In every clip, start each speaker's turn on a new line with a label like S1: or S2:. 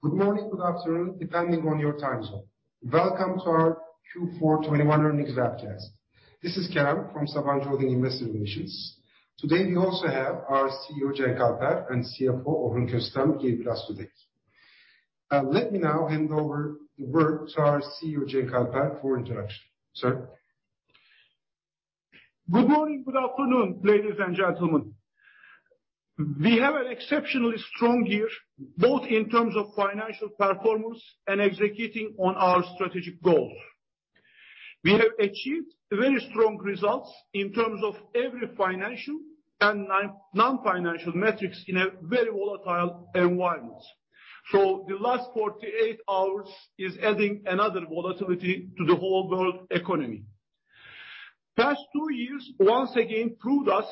S1: Good morning, good afternoon, depending on your time zone. Welcome to our Q4 2021 earnings webcast. This is Kerem from Sabancı Holding Investor Relations. Today, we also have our CEO, Cenk Alper, and CFO, Orhun Köstem, here with us today. Let me now hand over to our CEO, Cenk Alper, for introduction. Sir.
S2: Good morning, good afternoon, ladies and gentlemen. We have an exceptionally strong year, both in terms of financial performance and executing on our strategic goals. We have achieved very strong results in terms of every financial and non-financial metrics in a very volatile environment. The last 48 hours is adding another volatility to the whole world economy. Past two years, once again, proved us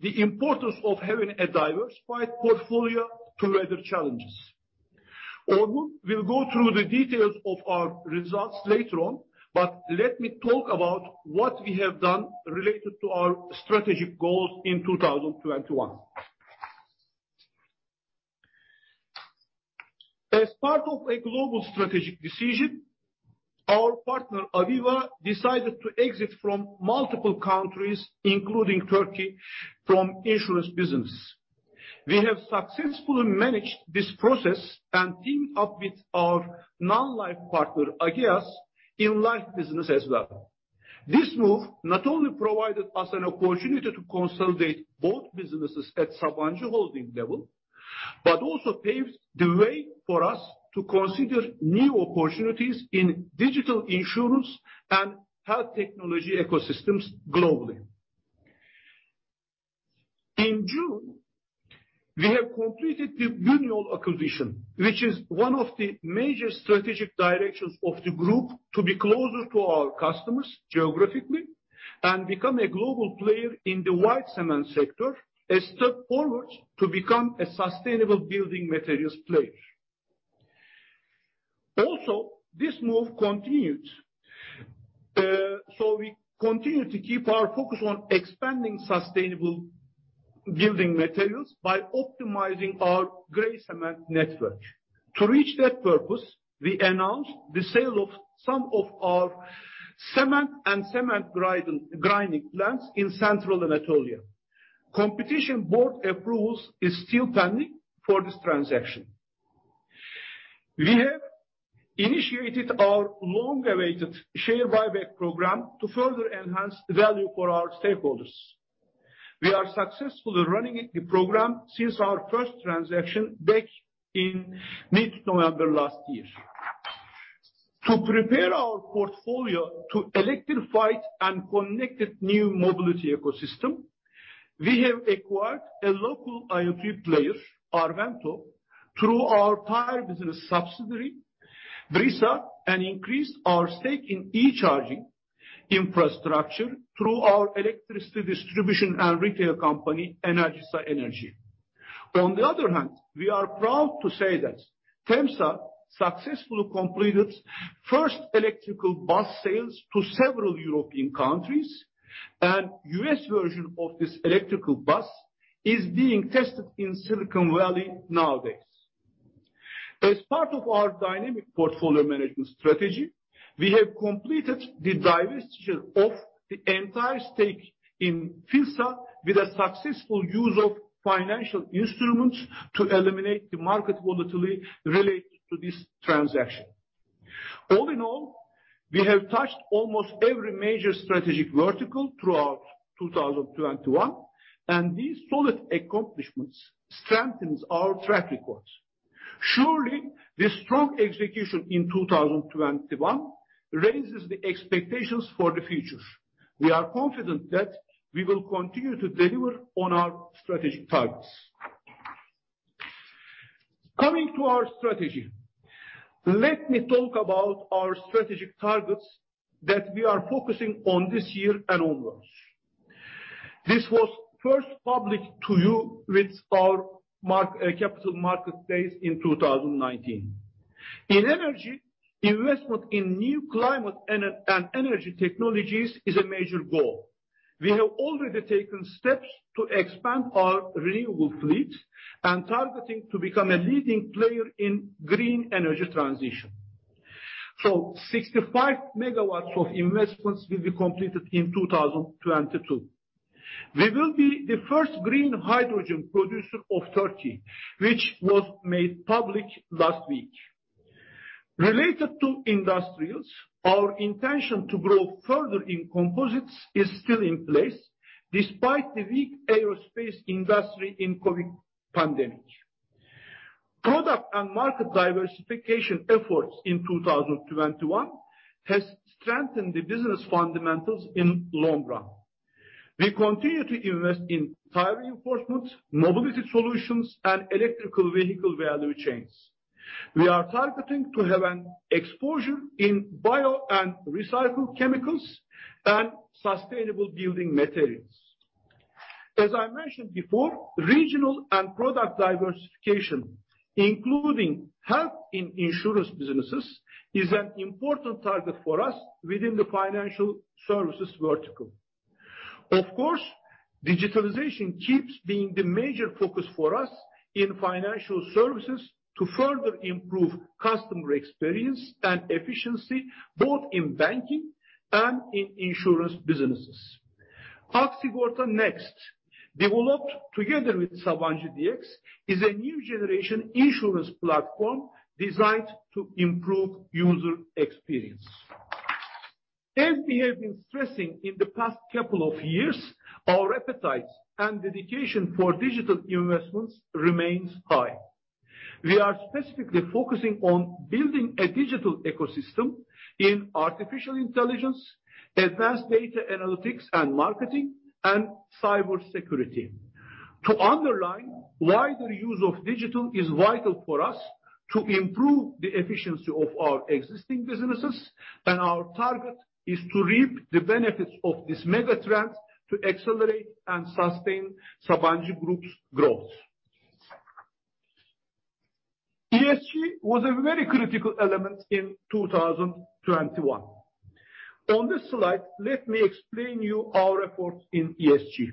S2: the importance of having a diversified portfolio to weather challenges. Orhun will go through the details of our results later on, but let me talk about what we have done related to our strategic goals in 2021. As part of a global strategic decision, our partner, Aviva, decided to exit from multiple countries, including Turkey, from insurance business. We have successfully managed this process and teamed up with our non-life partner, Ageas, in life business as well. This move not only provided us an opportunity to consolidate both businesses at Sabancı Holding level, but also paves the way for us to consider new opportunities in digital insurance and health technology ecosystems globally. In June, we have completed the Buñol acquisition, which is one of the major strategic directions of the group to be closer to our customers geographically and become a global player in the white cement sector, a step forward to become a sustainable building materials player. We continue to keep our focus on expanding sustainable building materials by optimizing our gray cement network. To reach that purpose, we announced the sale of some of our cement and cement grinding plants in central Anatolia. Competition Board approvals is still pending for this transaction. We have initiated our long-awaited share buyback program to further enhance the value for our stakeholders. We are successfully running it, the program, since our first transaction back in mid-November last year. To prepare our portfolio to electrify and connect new mobility ecosystem, we have acquired a local IoT player, Arvento, through our tire business subsidiary, Brisa, and increased our stake in e-charging infrastructure through our electricity distribution and retail company, Enerjisa Enerji. On the other hand, we are proud to say that TEMSA successfully completed first electrical bus sales to several European countries, and U.S. version of this electrical bus is being tested in Silicon Valley nowadays. As part of our dynamic portfolio management strategy, we have completed the divestiture of the entire stake in Philsa with a successful use of financial instruments to eliminate the market volatility related to this transaction. All in all, we have touched almost every major strategic vertical throughout 2021, and these solid accomplishments strengthens our track records. Surely, this strong execution in 2021 raises the expectations for the future. We are confident that we will continue to deliver on our strategic targets. Coming to our strategy, let me talk about our strategic targets that we are focusing on this year and onwards. This was first published to you with our March capital markets day in 2019. In energy, investment in new climate and energy technologies is a major goal. We have already taken steps to expand our renewable fleet and targeting to become a leading player in green energy transition. 65 MW of investments will be completed in 2022. We will be the first green hydrogen producer of Turkey, which was made public last week. Related to industrials, our intention to grow further in composites is still in place despite the weak aerospace industry in COVID pandemic. Product and market diversification efforts in 2021 has strengthened the business fundamentals in long run. We continue to invest in tire reinforcement, mobility solutions, and electric vehicle value chains. We are targeting to have an exposure in bio and recycled chemicals and sustainable building materials. As I mentioned before, regional and product diversification, including health in insurance businesses, is an important target for us within the financial services vertical. Of course, digitalization keeps being the major focus for us in financial services to further improve customer experience and efficiency, both in banking and in insurance businesses. Aksigorta Next, developed together with Sabancı DX, is a new generation insurance platform designed to improve user experience. As we have been stressing in the past couple of years, our appetite and dedication for digital investments remains high. We are specifically focusing on building a digital ecosystem in artificial intelligence, advanced data analytics and marketing, and cybersecurity. To underline, wider use of digital is vital for us to improve the efficiency of our existing businesses, and our target is to reap the benefits of this mega trend to accelerate and sustain Sabancı Group's growth. ESG was a very critical element in 2021. On this slide, let me explain to you our reporting in ESG.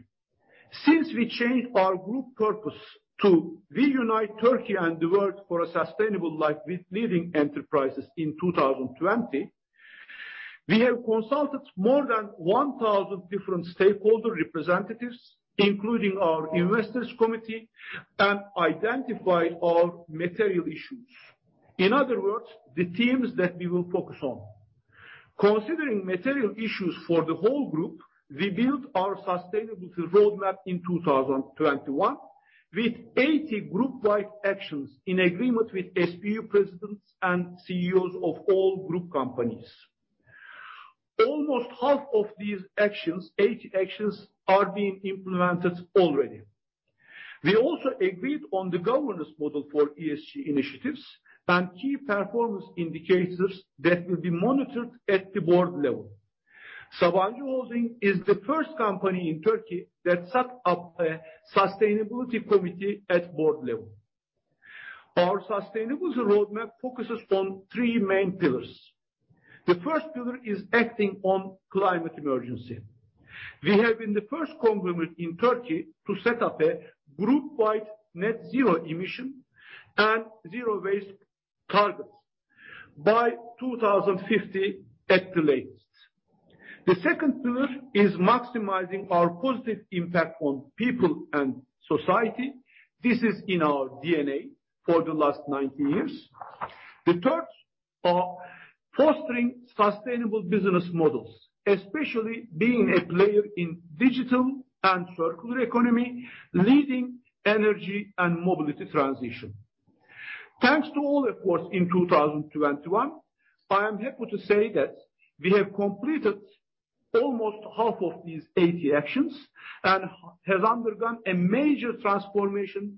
S2: Since we changed our group purpose to reunite Turkey and the world for a sustainable life with leading enterprises in 2020, we have consulted more than 1,000 different stakeholder representatives, including our investors committee, and identified our material issues. In other words, the themes that we will focus on. Considering material issues for the whole group, we built our sustainability roadmap in 2021 with 80 groupwide actions in agreement with SBU presidents and CEOs of all group companies. Almost half of these actions, 80 actions, are being implemented already. We also agreed on the governance model for ESG initiatives and key performance indicators that will be monitored at the board level. Sabancı Holding is the first company in Turkey that set up a sustainability committee at board level. Our sustainability roadmap focuses on three main pillars. The first pillar is acting on climate emergency. We have been the first conglomerate in Turkey to set up a groupwide net zero emission and zero waste targets by 2050 at the latest. The second pillar is maximizing our positive impact on people and society. This is in our DNA for the last 90 years. The third are fostering sustainable business models, especially being a player in digital and circular economy, leading energy and mobility transition. Thanks to all efforts in 2021, I am happy to say that we have completed almost half of these 80 actions and have undergone a major transformation.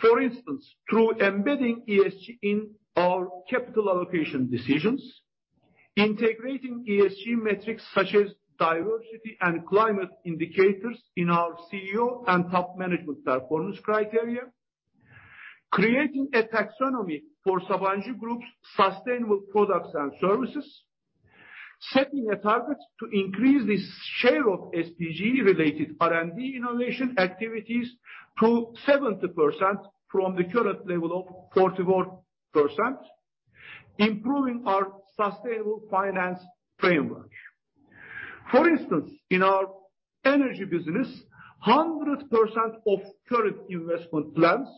S2: For instance, through embedding ESG in our capital allocation decisions, integrating ESG metrics such as diversity and climate indicators in our CEO and top management performance criteria, creating a taxonomy for Sabancı Group's sustainable products and services, setting a target to increase the share of SDG-related R&D innovation activities to 70% from the current level of 44%, improving our sustainable finance framework. For instance, in our energy business, 100% of current investment plans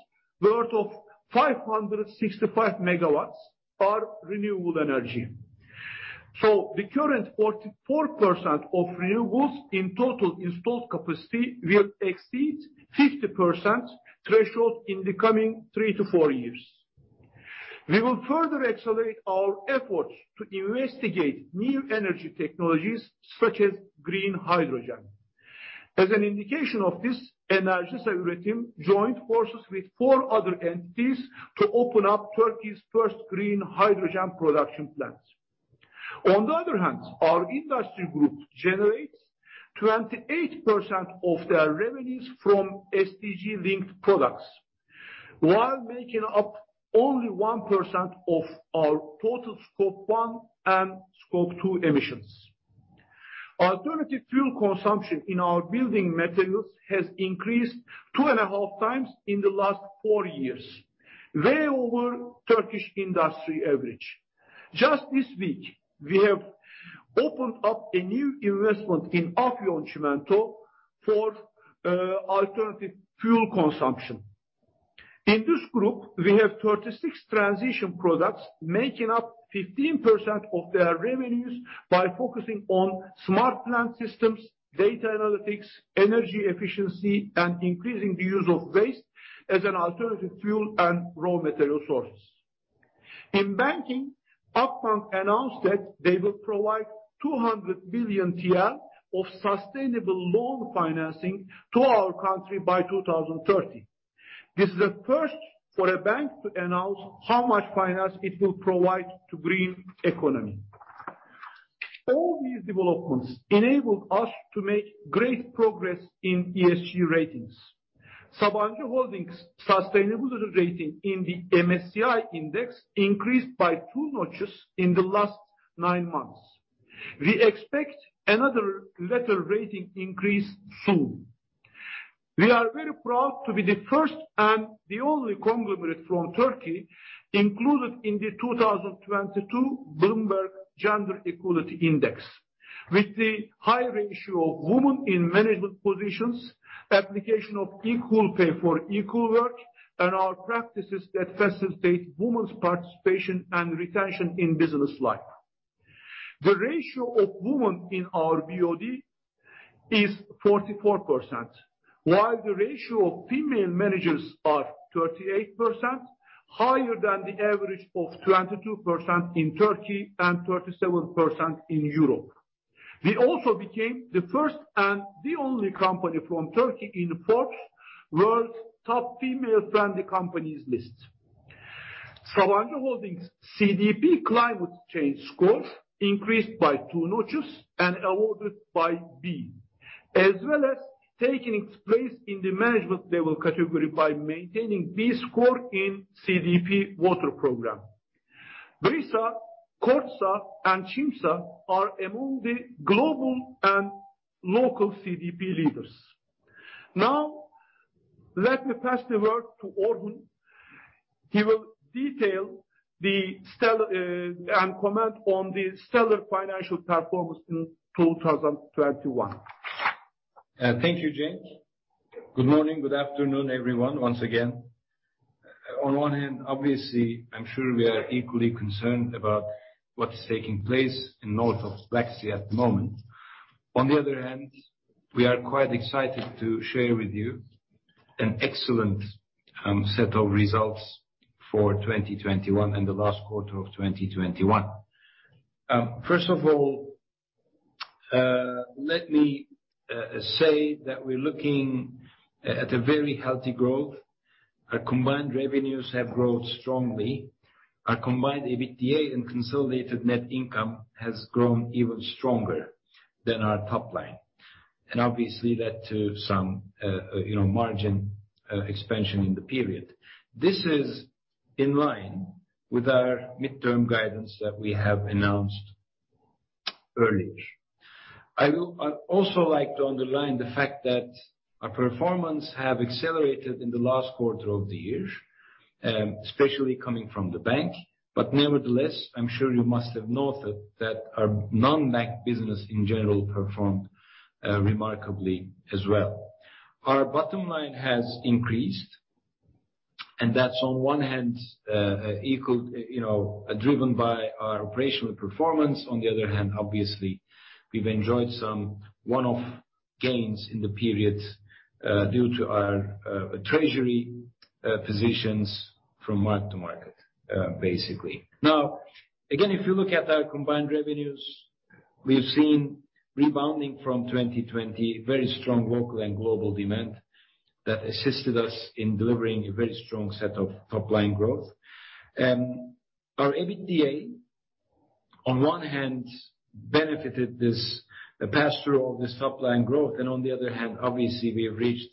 S2: worth 565 MW are renewable energy. The current 44% of renewables in total installed capacity will exceed 50% threshold in the coming 3-4 years. We will further accelerate our efforts to investigate new energy technologies such as green hydrogen. As an indication of this, Enerjisa Üretim joined forces with four other entities to open up Turkey's first green hydrogen production plant. On the other hand, our industry group generates 28% of their revenues from SDG-linked products while making up only 1% of our total scope one and scope two emissions. Alternative fuel consumption in our building materials has increased two and a half times in the last 4 years, way over Turkish industry average. Just this week, we have opened up a new investment in Afyon Çimento for alternative fuel consumption. In this group, we have 36 transition products making up 15% of their revenues by focusing on smart plant systems, data analytics, energy efficiency, and increasing the use of waste as an alternative fuel and raw material source. In banking, Akbank announced that they will provide 200 billion TL of sustainable loan financing to our country by 2030. This is a first for a bank to announce how much finance it will provide to green economy. All these developments enabled us to make great progress in ESG ratings. Sabancı Holding's sustainability rating in the MSCI index increased by two notches in the last nine months. We expect another letter rating increase soon. We are very proud to be the first and the only conglomerate from Turkey included in the 2022 Bloomberg Gender-Equality Index with the high ratio of women in management positions, application of equal pay for equal work, and our practices that facilitate women's participation and retention in business life. The ratio of women in our BOD is 44%, while the ratio of female managers are 38%, higher than the average of 22% in Turkey and 37% in Europe. We also became the first and the only company from Turkey in the Forbes World Top Female-Friendly Companies list. Sabancı Holding's CDP climate change scores increased by two notches and awarded a B, as well as taking its place in the management level category by maintaining B score in CDP Water Program. Brisa, Kordsa, and Çimsa are among the global and local CDP leaders. Now, let me pass the word to Orhun. He will detail and comment on the stellar financial performance in 2021.
S3: Thank you, Cenk. Good morning, good afternoon, everyone, once again. On one hand, obviously, I'm sure we are equally concerned about what is taking place in the north of the Black Sea at the moment. On the other hand, we are quite excited to share with you an excellent set of results for 2021 and the last quarter of 2021. First of all, let me say that we're looking at a very healthy growth. Our combined revenues have grown strongly. Our combined EBITDA and consolidated net income has grown even stronger than our top line. Obviously, led to some, you know, margin expansion in the period. This is in line with our midterm guidance that we have announced earlier. I'd also like to underline the fact that our performance have accelerated in the last quarter of the year, especially coming from the bank. Nevertheless, I'm sure you must have noted that our non-bank business in general performed remarkably as well. Our bottom line has increased, and that's on one hand, equal, you know, driven by our operational performance. On the other hand, obviously, we've enjoyed some one-off gains in the period, due to our treasury positions from mark to market, basically. Now, again, if you look at our combined revenues, we've seen rebounding from 2020, very strong local and global demand that assisted us in delivering a very strong set of top-line growth. Our EBITDA, on one hand, benefited this pass-through of this top-line growth. On the other hand, obviously, we have reached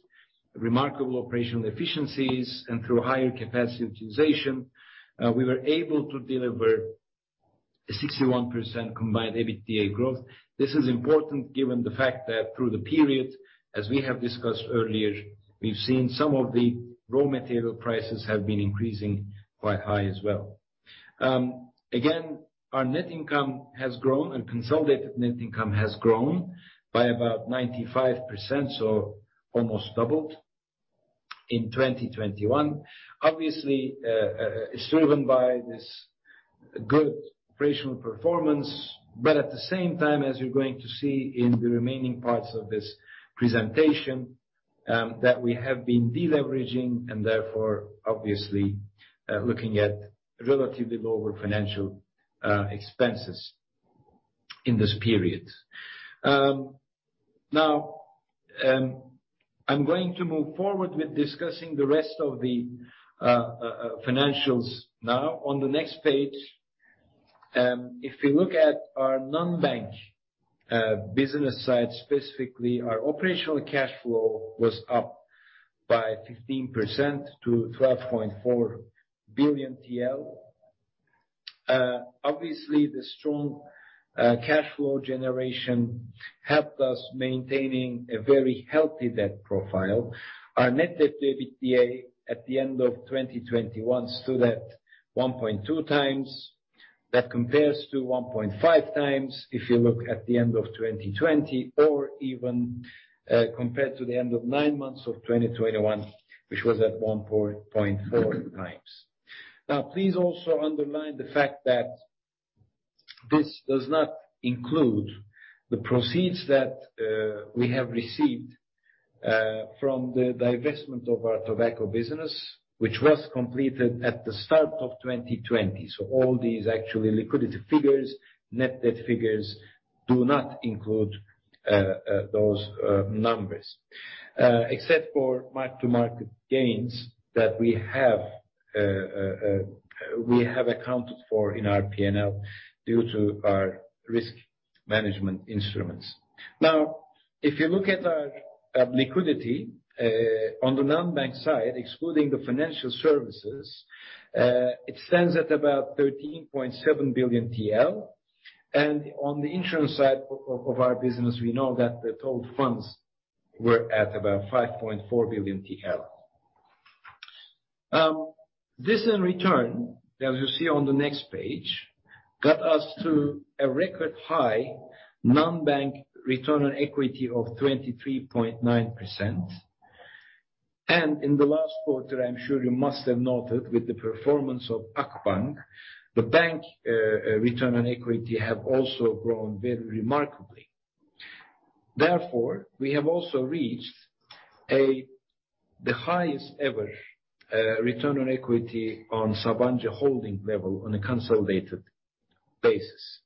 S3: remarkable operational efficiencies. Through higher capacity utilization, we were able to deliver a 61% combined EBITDA growth. This is important given the fact that through the period, as we have discussed earlier, we've seen some of the raw material prices have been increasing quite high as well. Again, our net income has grown, and consolidated net income has grown by about 95%, so almost doubled in 2021. Obviously, it's driven by this good operational performance. At the same time, as you're going to see in the remaining parts of this presentation, that we have been deleveraging and therefore, obviously, looking at relatively lower financial expenses in this period. Now, I'm going to move forward with discussing the rest of the financials now. On the next page, if you look at our non-bank business side, specifically, our operational cash flow was up by 15% to 12.4 billion TL. Obviously the strong cash flow generation helped us maintaining a very healthy debt profile. Our net debt to EBITDA at the end of 2021 stood at 1.2 times. That compares to 1.5 times if you look at the end of 2020 or even compared to the end of nine months of 2021, which was at 1.4 times. Now, please also underline the fact that this does not include the proceeds that we have received from the divestment of our tobacco business, which was completed at the start of 2020. All these actually liquidity figures, net debt figures do not include those numbers, except for mark-to-market gains that we have accounted for in our P&L due to our risk management instruments. Now, if you look at our liquidity on the non-bank side, excluding the financial services, it stands at about 13.7 billion TL. On the insurance side of our business, we know that the total funds were at about 5.4 billion TL. This in return, as you see on the next page, got us to a record high non-bank return on equity of 23.9%. In the last quarter, I'm sure you must have noted with the performance of Akbank, the bank, return on equity have also grown very remarkably. Therefore, we have also reached the highest ever return on equity on Sabancı Holding level on a consolidated basis.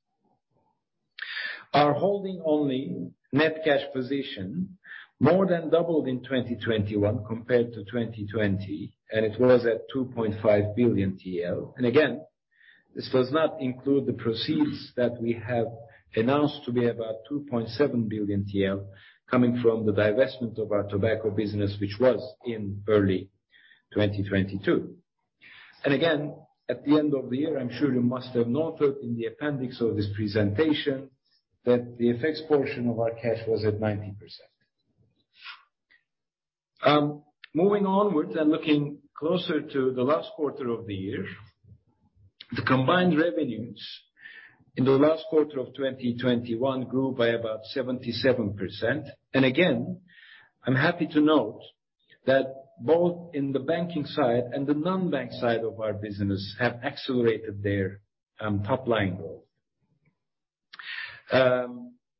S3: Our holding-only net cash position more than doubled in 2021 compared to 2020, and it was at 2.5 billion TL. This does not include the proceeds that we have announced to be about 2.7 billion TL coming from the divestment of our tobacco business which was in early 2022. At the end of the year, I'm sure you must have noted in the appendix of this presentation that the FX portion of our cash was at 90%. Moving onwards and looking closer to the last quarter of the year, the combined revenues in the last quarter of 2021 grew by about 77%. I'm happy to note that both in the banking side and the non-bank side of our business have accelerated their top line growth.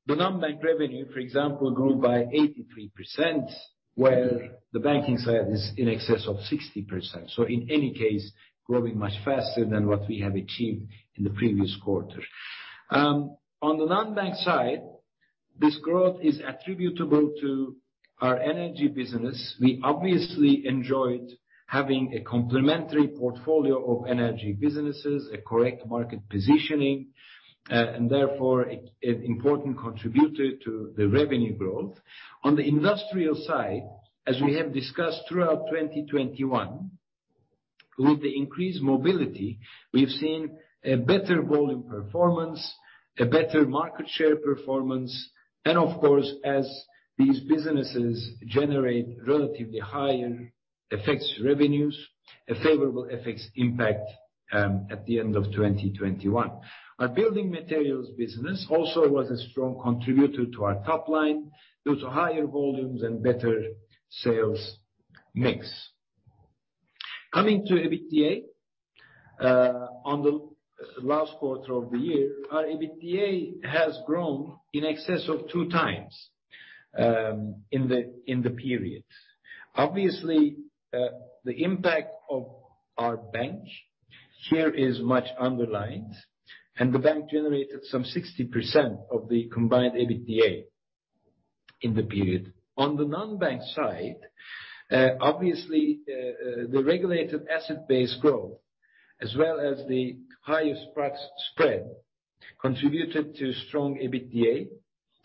S3: The non-bank revenue, for example, grew by 83%, where the banking side is in excess of 60%. In any case, growing much faster than what we have achieved in the previous quarter. On the non-bank side, this growth is attributable to our energy business. We obviously enjoyed having a complementary portfolio of energy businesses, a correct market positioning, and therefore an important contributor to the revenue growth. On the industrial side, as we have discussed throughout 2021, with the increased mobility, we've seen a better volume performance, a better market share performance, and of course, as these businesses generate relatively higher FX revenues, a favorable FX impact at the end of 2021. Our building materials business also was a strong contributor to our top line due to higher volumes and better sales mix. Coming to EBITDA, on the last quarter of the year, our EBITDA has grown in excess of 2 times, in the periods. Obviously, the impact of our bank here is much underlined, and the bank generated some 60% of the combined EBITDA in the period. On the non-bank side, obviously, the regulated asset-based growth as well as the higher spreads contributed to strong EBITDA.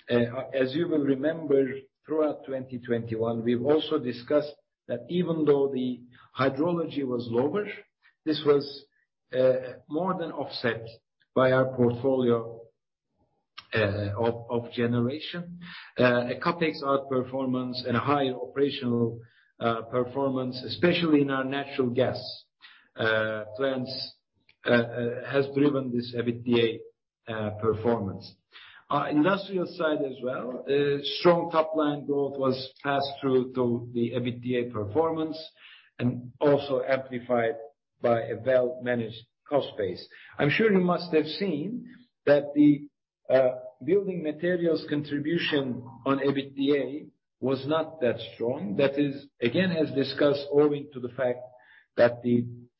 S3: As you will remember throughout 2021, we've also discussed that even though the hydrology was lower, this was more than offset by our portfolio of generation. A CapEx outperformance and a higher operational performance, especially in our natural gas plants, has driven this EBITDA performance. Our industrial side as well, strong top-line growth was passed through to the EBITDA performance and also amplified by a well-managed cost base. I'm sure you must have seen that the building materials contribution on EBITDA was not that strong. That is, again, as discussed, owing to the fact that,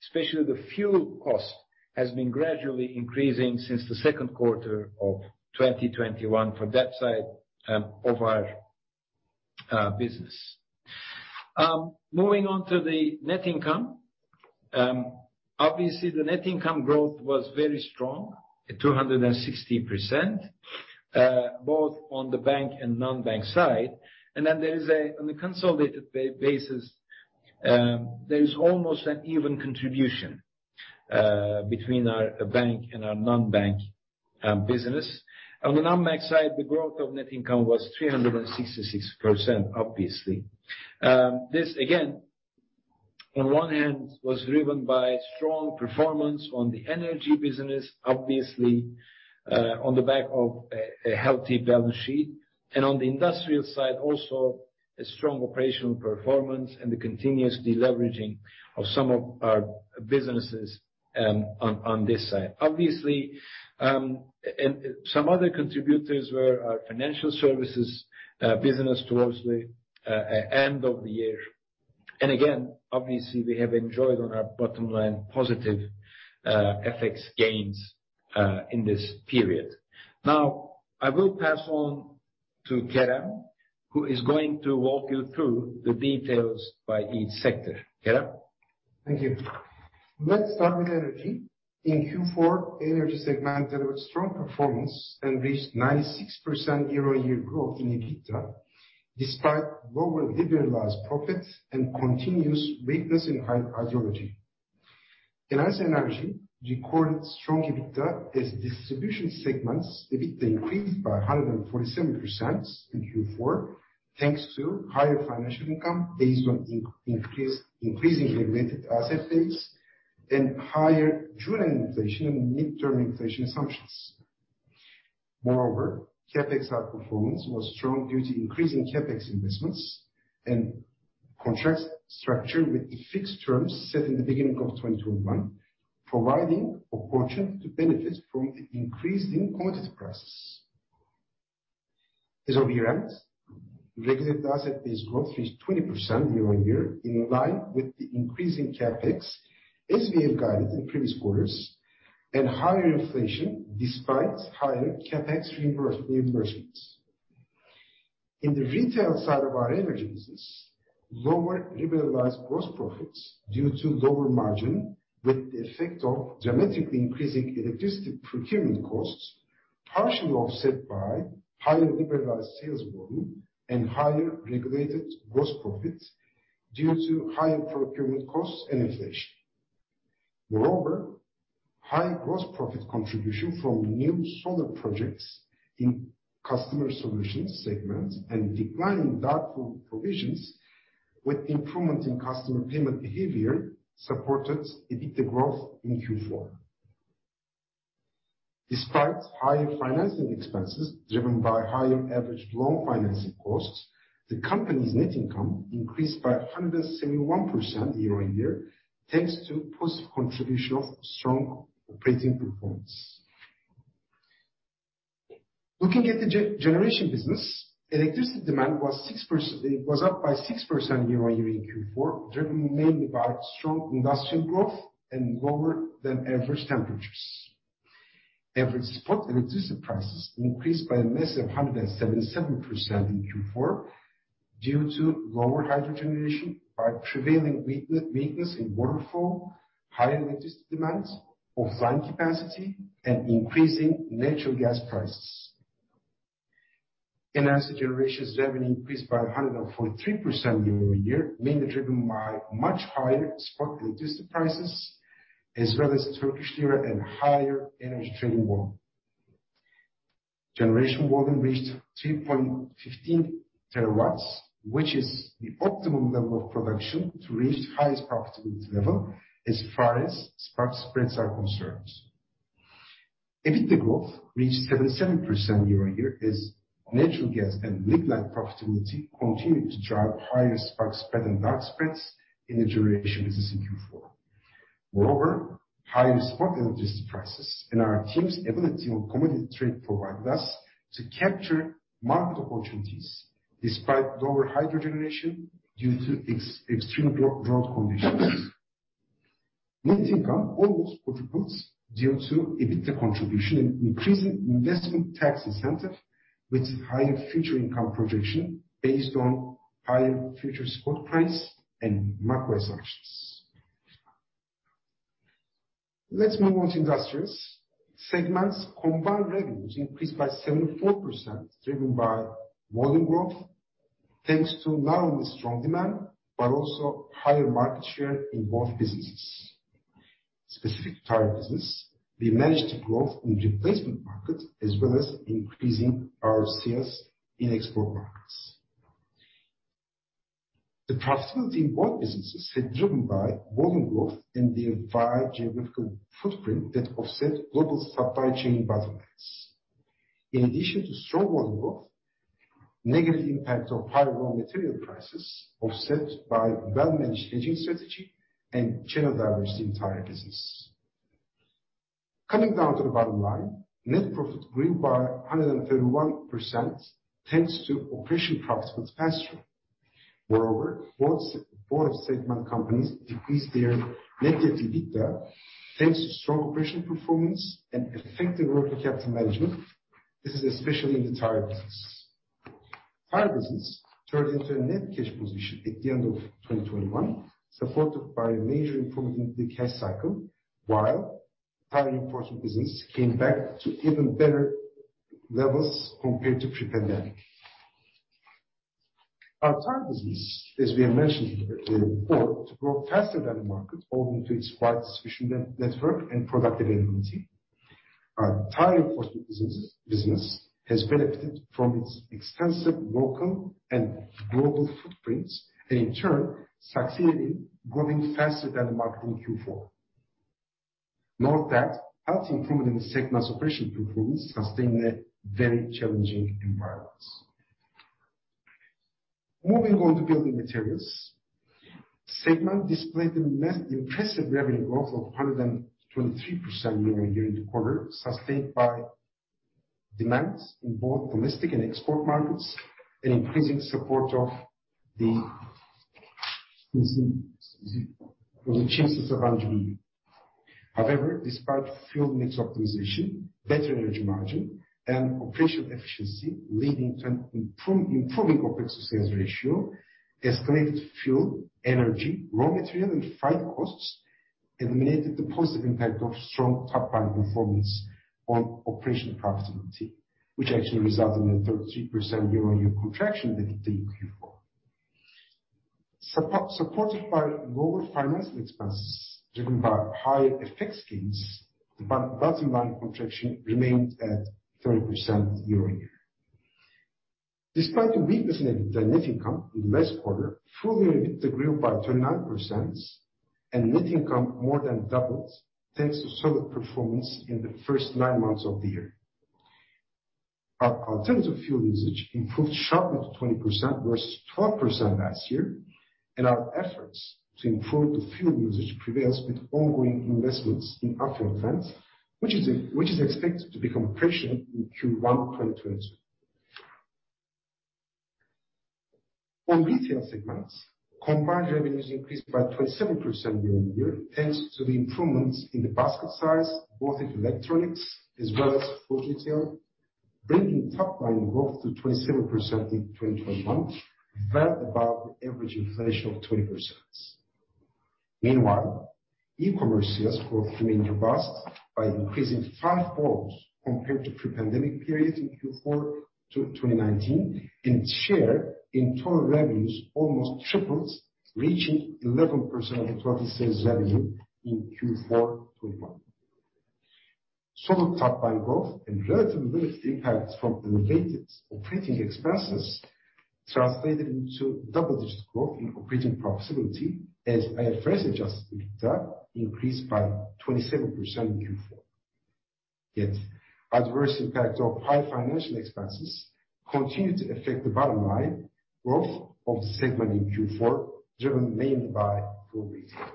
S3: especially the fuel cost, has been gradually increasing since the second quarter of 2021 for that side of our business. Moving on to the net income. Obviously the net income growth was very strong at 260%, both on the bank and non-bank side. There is a, on a consolidated basis, there is almost an even contribution between our bank and our non-bank business. On the non-bank side, the growth of net income was 366%, obviously. This again, on one hand, was driven by strong performance on the energy business, obviously, on the back of a healthy balance sheet. On the industrial side also a strong operational performance and the continuous deleveraging of some of our businesses, on this side. Some other contributors were our financial services business towards the end of the year. We have enjoyed on our bottom line positive FX gains in this period. Now, I will pass on to Kerem, who is going to walk you through the details by each sector. Kerem?
S1: Thank you. Let's start with energy. In Q4, energy segment delivered strong performance and reached 96% year-on-year growth in EBITDA, despite lower liberalized profits and continuous weakness in hydro energy. Enerjisa Enerji recorded strong EBITDA in distribution segments. EBITDA increased by 147% in Q4, thanks to higher financial income based on increase, increasing regulated asset base and higher July inflation and mid-term inflation assumptions. Moreover, CapEx outperformance was strong due to increasing CapEx investments and contract structure with the fixed terms set in the beginning of 2021, providing opportunity to benefit from the increase in commodity prices. As of year end, regulated asset base growth reached 20% year-on-year, in line with the increase in CapEx, as we have guided in previous quarters, and higher inflation despite higher CapEx reimbursements. In the retail side of our energy business, lower liberalized gross profits due to lower margin with the effect of dramatically increasing electricity procurement costs, partially offset by higher liberalized sales volume and higher regulated gross profits due to higher procurement costs and inflation. Moreover, high gross profit contribution from new solar projects in customer solutions segments and decline in doubtful provisions with improvement in customer payment behavior supported EBITDA growth in Q4. Despite higher financing expenses driven by higher averaged loan financing costs, the company's net income increased by 171% year-on-year, thanks to positive contribution of strong operating performance. Looking at the generation business, electricity demand was 6%. It was up by 6% year-on-year in Q4, driven mainly by strong industrial growth and lower than average temperatures. Average spot electricity prices increased by a massive 177% in Q4 due to lower hydro generation due to prevailing weakness in water flow, higher electricity demands, offline capacity, and increasing natural gas prices. Enerjisa Üretim's revenue increased by 143% year-on-year, mainly driven by much higher spot electricity prices as well as Turkish lira and higher energy trading volume. Generation volume reached 3.15 terawatts, which is the optimum level of production to reach highest profitability level as far as spot spreads are concerned. EBITDA growth reached 77% year-on-year as natural gas and mid-merit profitability continued to drive higher spot spread and dark spreads in the generation business in Q4. Moreover, higher spot electricity prices and our team's ability on commodity trade provided us to capture market opportunities despite lower hydro generation due to extreme drought conditions. Net income almost quadruples due to EBITDA contribution and increasing investment tax incentive with higher future income projection based on higher future spot price and macro assumptions. Let's move on to industrials. Segments combined revenues increased by 74% driven by volume growth, thanks to not only strong demand, but also higher market share in both businesses. Specific tire business, we managed to grow in replacement markets as well as increasing our sales in export markets. The profitability in both businesses is driven by volume growth and their wide geographical footprint that offset global supply chain bottlenecks. In addition to strong volume growth, negative impact of higher raw material prices offset by well-managed hedging strategy and channel diversity in tire business. Coming down to the bottom line, net profit grew by 131%, thanks to operational profits faster. Moreover, both segment companies increased their net debt to EBITDA, thanks to strong operational performance and effective working capital management. This is especially in the tire business. Tire business turned into a net cash position at the end of 2021, supported by a major improvement in the cash cycle, while tire reinforcement business came back to even better levels compared to pre-pandemic. Our tire business, as we have mentioned in the report, grew faster than the market owing to its wide solution network and product availability. Our tire reinforcement business has benefited from its extensive local and global footprints, and in turn succeeded in growing faster than the market in Q4. Note that the improvement in the segment's operational performance sustained a very challenging environment. Moving on to building materials. Segment displayed an impressive revenue growth of 123% year-on-year in the quarter, sustained by demands in both domestic and export markets, and increasing support of the. However, despite fuel mix optimization, better energy margin and operational efficiency leading to an improving operating sales ratio, escalated fuel, energy, raw material and freight costs eliminated the positive impact of strong top line performance on operational profitability, which actually resulted in a 33% year-on-year contraction in the Q4. Supported by lower financing expenses driven by higher FX gains, the bottom line contraction remained at 30% year-on-year. Despite the weakness in the net income in the last quarter, full year EBITDA grew by 29% and net income more than doubled thanks to solid performance in the first nine months of the year. Our alternative fuel usage improved sharply to 20% versus 12% last year, and our efforts to improve the fuel usage prevails with ongoing investments in alternative fuel, which is expected to become operational in Q1 2022. On retail segments, combined revenues increased by 27% year-on-year, thanks to the improvements in the basket size, both in electronics as well as food retail, bringing top line growth to 27% in 2021, well above the average inflation of 20%. Meanwhile, e-commerce sales growth remained robust by increasing five-folds compared to pre-pandemic periods in Q4 2019, and share in total revenues almost triples, reaching 11% of total sales revenue in Q4 2021. Solid top line growth and relatively limited impacts from elevated operating expenses translated into double-digit growth in operating profitability as IFRS adjusted EBITDA increased by 27% in Q4. Adverse impact of high financial expenses continued to affect the bottom line growth of the segment in Q4, driven mainly by full retail.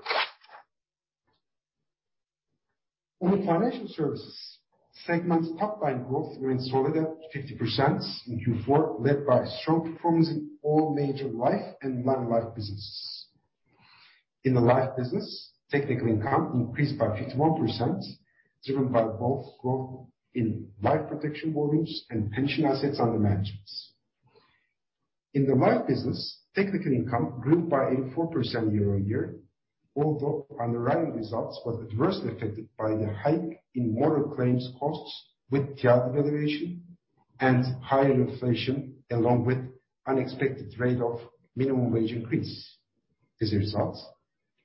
S1: On the financial services segment, top line growth remained solid at 50% in Q4, led by strong performance in all major life and non-life businesses. In the life business, technical income increased by 51%, driven by both growth in life protection volumes and pension assets under management. In the non-life business, technical income grew by 84% year-on-year, although underwriting results were adversely affected by the hike in motor claims costs with TI evaluation and higher inflation, along with unexpected rate of minimum wage increase. As a result,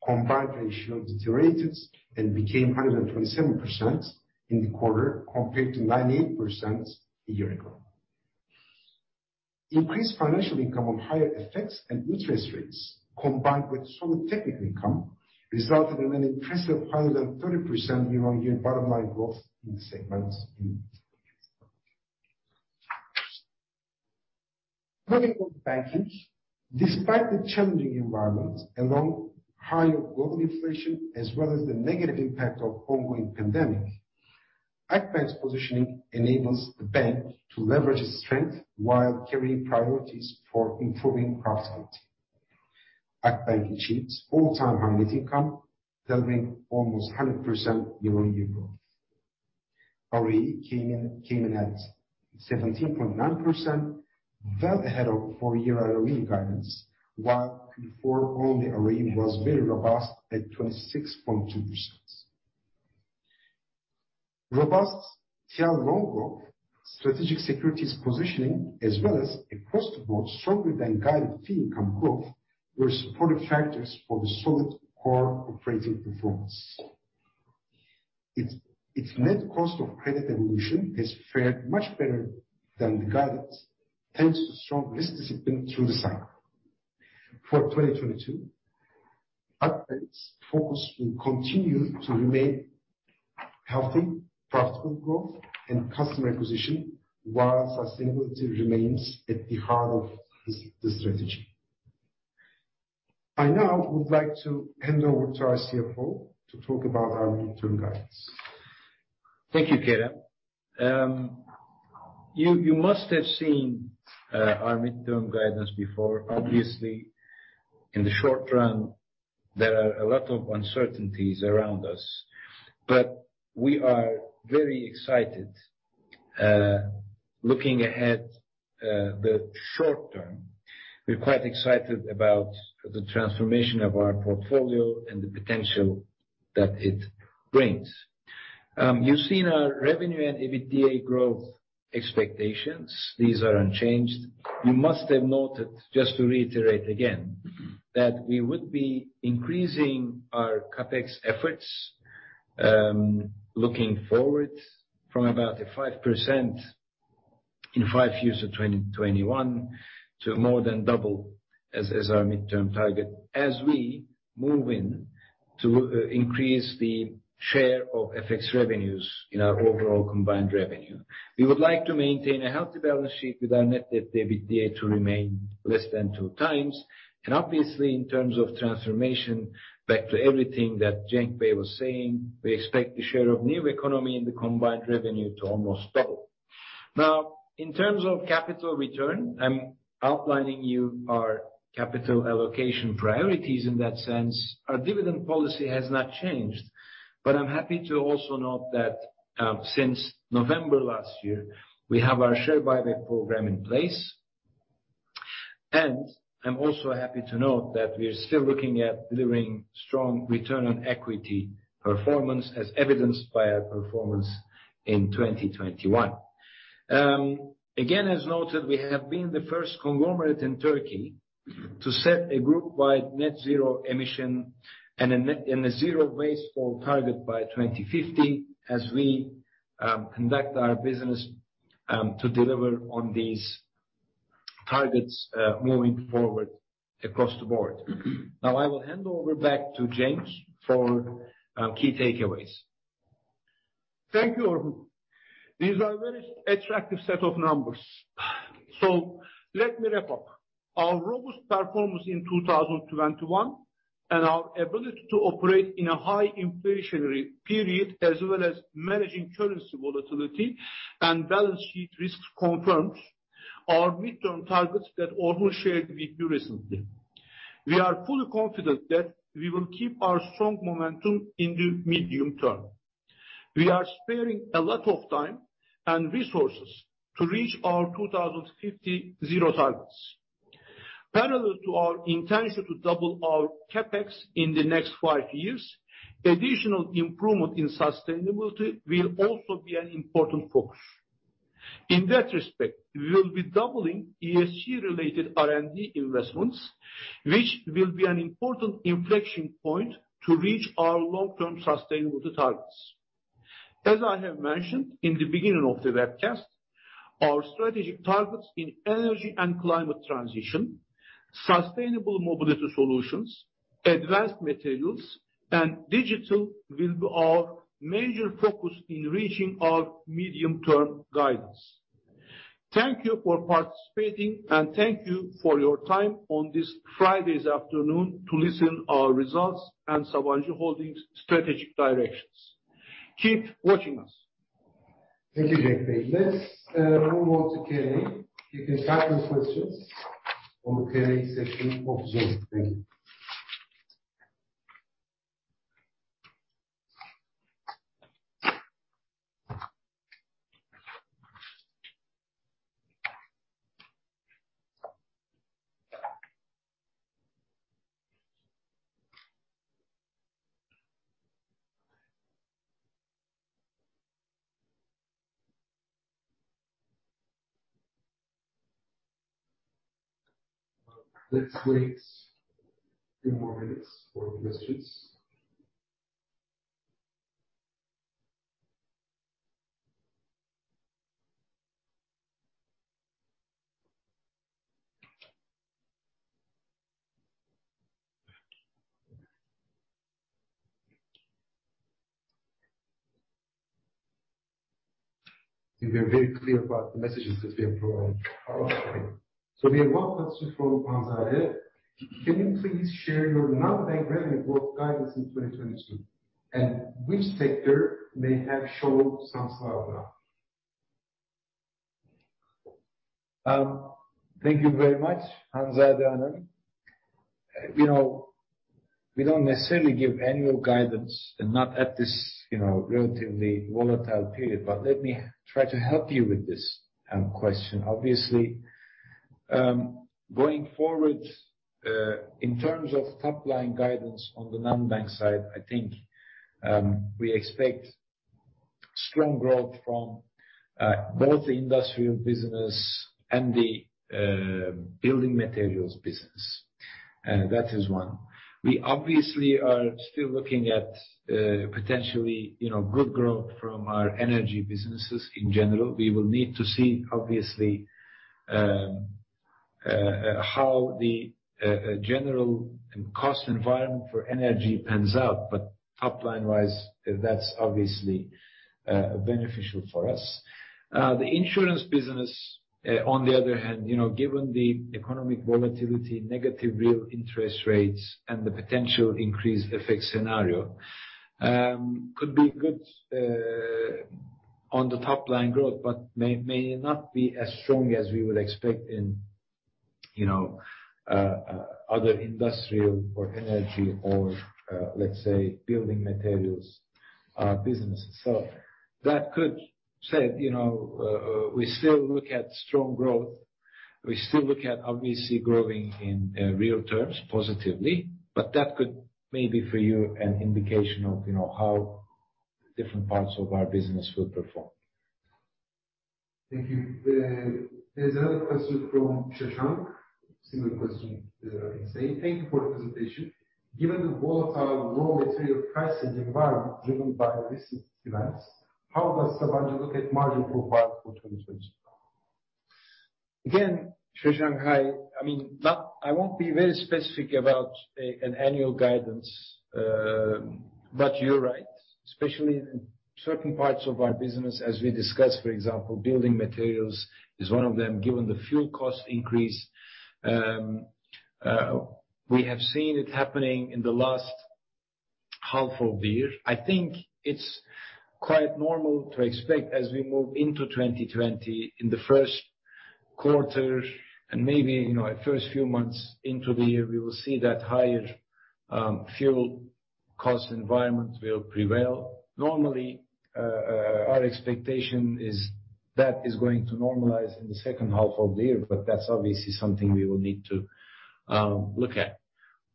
S1: combined ratio deteriorated and became 127% in the quarter, compared to 98% a year ago. Increased financial income on higher effects and interest rates combined with solid technical income resulted in an impressive higher than 30% year-on-year bottom line growth in the segments in. Turning to banking, despite the challenging environment along higher global inflation as well as the negative impact of ongoing pandemic, Akbank's positioning enables the bank to leverage its strength while carrying priorities for improving profitability. Akbank achieved all-time high net income, delivering almost 100% year-on-year growth. ROE came in at 17.9%, well ahead of full year ROE guidance, while Q4 only ROE was very robust at 26.2%. Robust TL loan growth, strategic securities positioning as well as across the board stronger than guided fee income growth were supportive factors for the solid core operating performance. Its net cost of credit evolution has fared much better than the guidance, thanks to strong risk discipline through the cycle. For 2022, Akbank's focus will continue to remain healthy profitable growth and customer acquisition, while sustainability remains at the heart of the strategy. I now would like to hand over to our CFO to talk about our midterm guidance.
S3: Thank you, Kerem. You must have seen our midterm guidance before. Obviously, in the short run, there are a lot of uncertainties around us. We are very excited looking ahead to the short term. We're quite excited about the transformation of our portfolio and the potential that it brings. You've seen our revenue and EBITDA growth expectations. These are unchanged. You must have noted, just to reiterate again, that we would be increasing our CapEx efforts looking forward from about a 5% in five years of 2021 to more than double as our midterm target as we move into increase the share of FX revenues in our overall combined revenue. We would like to maintain a healthy balance sheet with our net debt to EBITDA to remain less than 2x. Obviously, in terms of transformation, back to everything that Cenk Bey was saying, we expect the share of new economy in the combined revenue to almost double. Now, in terms of capital return, I'm outlining to you our capital allocation priorities in that sense. Our dividend policy has not changed, but I'm happy to also note that, since November last year, we have our share buyback program in place. I'm also happy to note that we are still looking at delivering strong return on equity performance as evidenced by our performance in 2021. Again, as noted, we have been the first conglomerate in Turkey to set a group wide net zero emission and a zero waste goal target by 2050 as we conduct our business to deliver on these targets moving forward across the board.
S2: Now, I will hand over back to Cenk for key takeaways. Thank you, Orhun. These are very attractive set of numbers. Let me wrap up. Our robust performance in 2021 and our ability to operate in a high inflationary period, as well as managing currency volatility and balance sheet risk confirms our midterm targets that Orhun shared with you recently. We are fully confident that we will keep our strong momentum in the medium term. We are sparing a lot of time and resources to reach our 2050 targets. Parallel to our intention to double our CapEx in the next five years, additional improvement in sustainability will also be an important focus. In that respect, we will be doubling ESG related R&D investments, which will be an important inflection point to reach our long-term sustainability targets. As I have mentioned in the beginning of the webcast, our strategic targets in energy and climate transition, sustainable mobility solutions, advanced materials, and digital will be our major focus in reaching our medium-term guidance. Thank you for participating, and thank you for your time on this Friday's afternoon to listen our results and Sabancı Holding strategic directions. Keep watching us.
S3: Thank you, Cenk. Let's move on to Q&A. You can start your questions on the Q&A section of Zoom. Thank you. Let's wait two more minutes for messages. I think we are very clear about the messages that we have provided. We have one question from Hanzade. Can you please share your non-bank revenue growth guidance in 2022, and which sector may have shown some slowdown? Thank you very much, Hanzade Hanım. You know, we don't necessarily give annual guidance and not at this, you know, relatively volatile period. Let me try to help you with this, question. Obviously, going forward, in terms of top-line guidance on the non-bank side, I think, we expect strong growth from, both the industrial business and the, building materials business. That is one. We obviously are still looking at, potentially, you know, good growth from our energy businesses in general. We will need to see obviously, how the, general cost environment for energy pans out, but top-line wise, that's obviously, beneficial for us. The insurance business, on the other hand, you know, given the economic volatility, negative real interest rates and the potential increased FX scenario, could be good, on the top line growth, but may not be as strong as we would expect in, you know, other industrial or energy or, let's say, building materials, businesses. That could say, you know, we still look at strong growth. We still look at obviously growing in, real terms positively. But that could maybe for you an indication of, you know, how different parts of our business will perform. Thank you. There's another question from Shashank. Similar question, in saying. Thank you for the presentation. Given the volatile raw material pricing environment driven by recent events, how does Sabancı look at margin profile for 2022? Again, Shashank, I mean, I won't be very specific about an annual guidance. But you're right, especially in certain parts of our business, as we discussed, for example, building materials is one of them, given the fuel cost increase. We have seen it happening in the last half of the year. I think it's quite normal to expect as we move into 2020 in the first quarter and maybe at first few months into the year, we will see that higher fuel cost environment will prevail. Normally, our expectation is that is going to normalize in the second half of the year, but that's obviously something we will need to look at.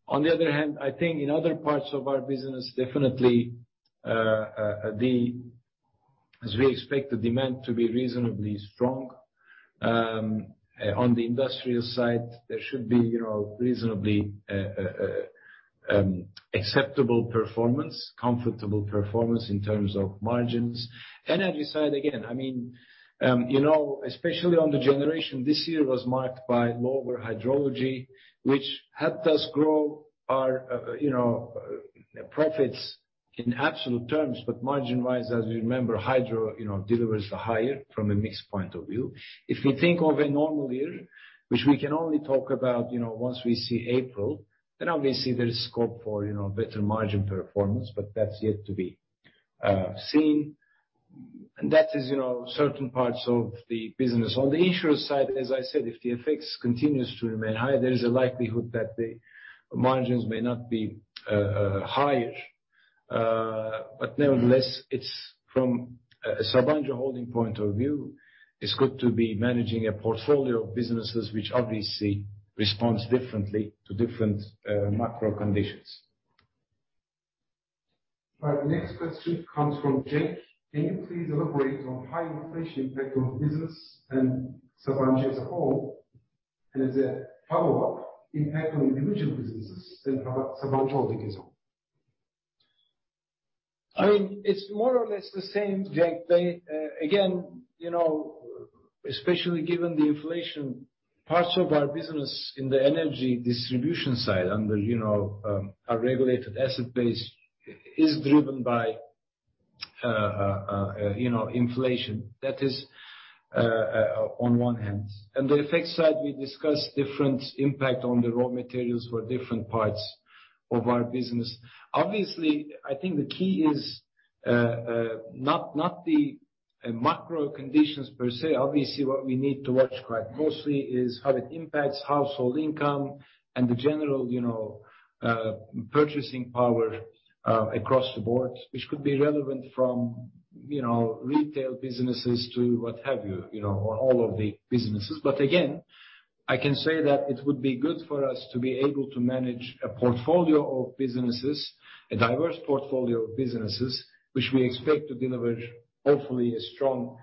S3: On the other hand, I think in other parts of our business, definitely, the... As we expect the demand to be reasonably strong, on the industrial side, there should be, you know, reasonably, acceptable performance, comfortable performance in terms of margins. Energy side, again, I mean, you know, especially on the generation, this year was marked by lower hydrology, which helped us grow our, you know, profits in absolute terms. Margin-wise, as you remember, hydro, you know, delivers the higher from a mix point of view. If we think of a normal year, which we can only talk about, you know, once we see April, then obviously there is scope for, you know, better margin performance, but that's yet to be seen. That is, you know, certain parts of the business. On the insurance side, as I said, if the effects continues to remain high, there is a likelihood that the margins may not be higher. Nevertheless, it's from Sabancı Holding point of view, it's good to be managing a portfolio of businesses which obviously responds differently to different macro conditions.
S1: Right. Next question comes from Cenk. Can you please elaborate on high inflation impact on business and Sabancı as a whole? And as a follow-up, impact on individual businesses in Sabancı Holding as a whole.
S3: I mean, it's more or less the same, Cenk. They again, you know, especially given the inflation, parts of our business in the energy distribution side under our regulated asset base is driven by you know inflation. That is on one hand. On the effect side, we discussed different impact on the raw materials for different parts of our business. Obviously, I think the key is not the macro conditions per se. Obviously, what we need to watch quite closely is how it impacts household income and the general you know purchasing power across the board, which could be relevant from you know retail businesses to what have you you know or all of the businesses. Again, I can say that it would be good for us to be able to manage a portfolio of businesses, a diverse portfolio of businesses, which we expect to deliver, hopefully, a strong,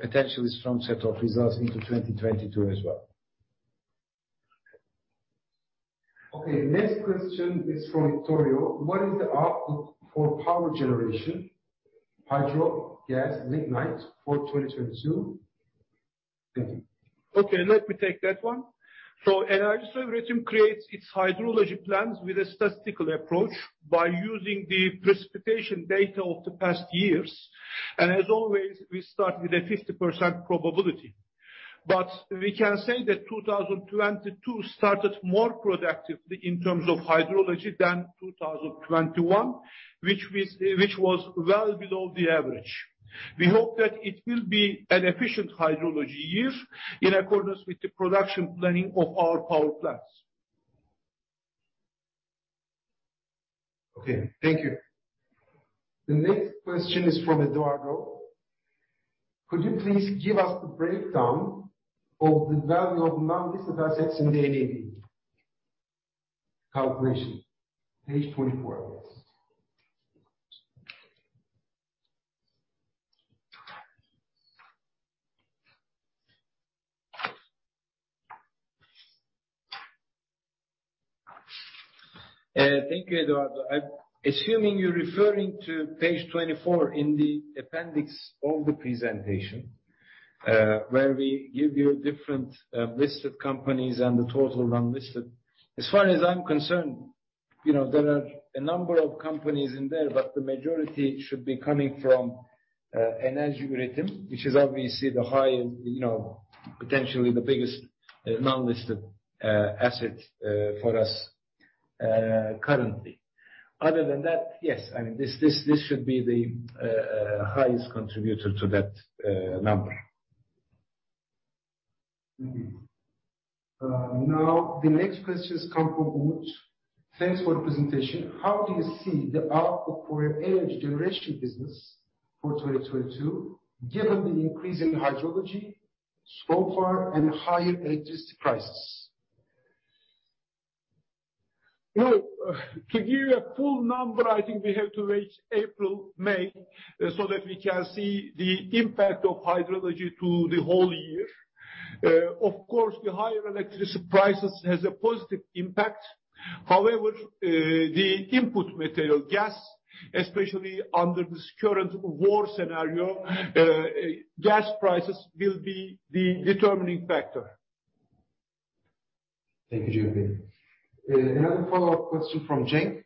S3: potentially strong set of results into 2022 as well.
S1: Okay. Next question is from Vittorio. What is the outlook for power generation, hydro, gas, lignite for 2022? Thank you.
S2: Okay, let me take that one. Enerjisa Üretim creates its hydrology plans with a statistical approach by using the precipitation data of the past years. As always, we start with a 50% probability. We can say that 2022 started more productively in terms of hydrology than 2021, which was well below the average. We hope that it will be an efficient hydrology year in accordance with the production planning of our power plants.
S1: Okay, thank you. The next question is from Eduardo. Could you please give us the breakdown of the value of non-listed assets in the NAV calculation, page 24, I guess.
S3: Thank you, Eduardo. I'm assuming you're referring to page 24 in the appendix of the presentation, where we give you different listed companies and the total unlisted. As far as I'm concerned, you know, there are a number of companies in there, but the majority should be coming from Enerjisa Üretim, which is obviously the highest, you know, potentially the biggest non-listed asset for us currently. Other than that, yes, I mean, this should be the highest contributor to that number.
S1: Now, the next questions come from Umut. Thanks for the presentation. How do you see the outlook for your energy generation business for 2022, given the increase in hydrology so far and higher electricity prices?
S2: Well, to give you a full number, I think we have to wait April, May, so that we can see the impact of hydrology to the whole year. Of course, the higher electricity prices has a positive impact. However, the input material, gas, especially under this current war scenario, gas prices will be the determining factor.
S1: Thank you, Cenk Bey. Another follow-up question from Cenk.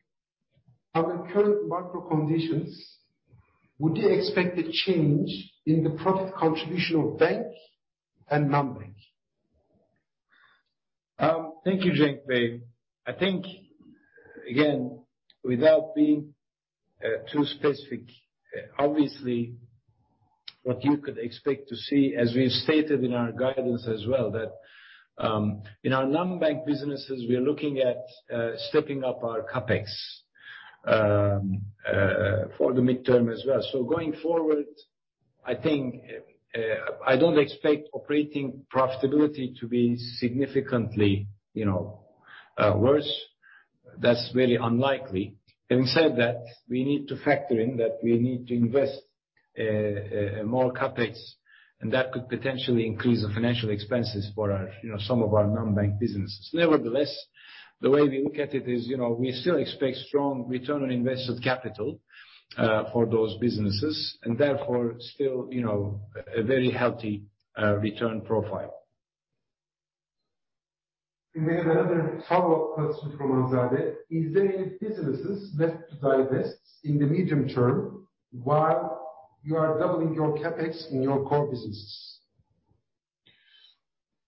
S1: Under current macro conditions, would you expect a change in the profit contribution of bank and non-bank?
S3: Thank you, Cenk Bey. I think, again, without being too specific, obviously what you could expect to see as we've stated in our guidance as well, that in our non-bank businesses we are looking at stepping up our CapEx for the midterm as well. Going forward, I think I don't expect operating profitability to be significantly, you know, worse. That's really unlikely. Having said that, we need to factor in that we need to invest more CapEx, and that could potentially increase the financial expenses for our, you know, some of our non-bank businesses. Nevertheless, the way we look at it is, you know, we still expect strong return on invested capital for those businesses and therefore, still, you know, a very healthy return profile.
S1: We may have another follow-up question from Hanzade Hanım. Is there any businesses left to divest in the medium term while you are doubling your CapEx in your core businesses?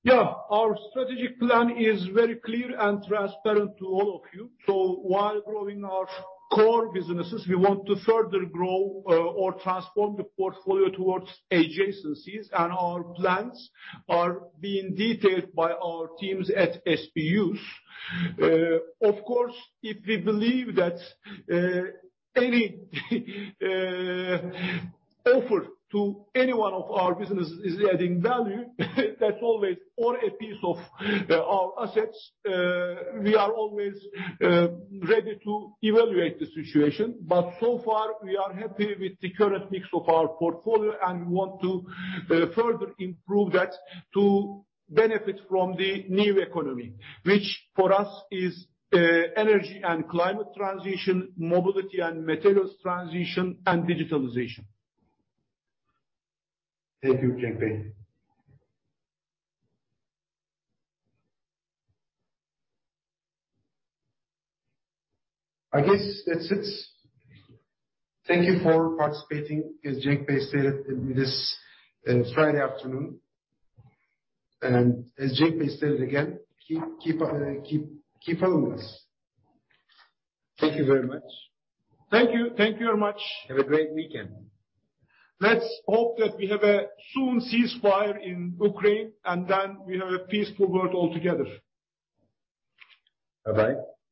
S2: Yeah. Our strategic plan is very clear and transparent to all of you. While growing our core businesses, we want to further grow or transform the portfolio towards adjacencies, and our plans are being detailed by our teams at SBUs. Of course, if we believe that any offer to any one of our businesses or a piece of our assets is adding value, we are always ready to evaluate the situation. So far we are happy with the current mix of our portfolio, and we want to further improve that to benefit from the new economy. Which for us is energy and climate transition, mobility and materials transition, and digitalization.
S1: Thank you, Cenk Bey. I guess that's it. Thank you for participating, as Cenk Bey stated, in this Friday afternoon. As Cenk Bey stated again, keep following us.
S3: Thank you very much.
S2: Thank you. Thank you very much.
S3: Have a great weekend.
S2: Let's hope that we have a soon ceasefire in Ukraine, and then we have a peaceful world altogether.
S3: Bye-bye.